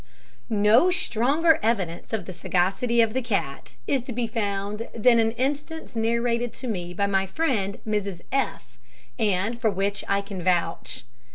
No stronger evidence of the sagacity of the cat is to be found than an instance narrated to me by my friend, Mrs F , and for which I can vouch.